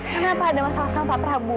kenapa ada masalah sama pak prabowo